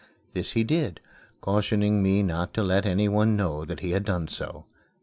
This he did, cautioning me not to let anyone know that he had done so.